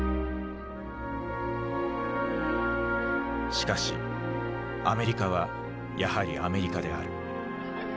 しかしアメリカはやはりアメリカである。